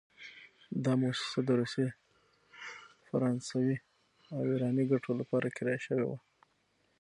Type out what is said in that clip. دا موسسه د روسي، فرانسوي او ایراني ګټو لپاره کرایه شوې وه.